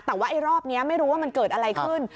แต่ว่าไอ้รอบนี้ไม่รู้ว่ามันเกิดอะไรขึ้น